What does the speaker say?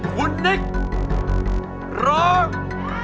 คุณนิกร้อง